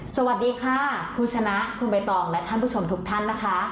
สวัสดีค่ะคุณชนะคุณใบตองและท่านผู้ชมทุกท่านนะคะ